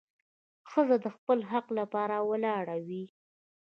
ښځه د خپل حق لپاره ولاړه وي.